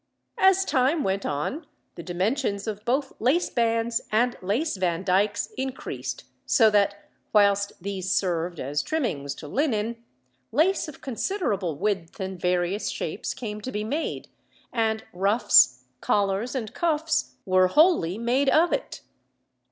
As time went on the dimensions of both lace bands and lace vandykes increased so that, whilst these served as trimmings to linen, lace of considerable width and various shapes came to be made, and ruffs, collars, and cuffs were wholly made of it.